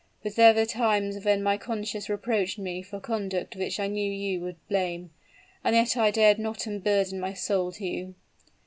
But there were times when my conscience reproached me for conduct which I knew you would blame; and yet I dared not unburden my soul to you!